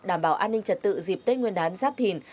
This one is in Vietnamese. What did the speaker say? đảm bảo an ninh trật tự dịp tết nguyên đán giáp thìn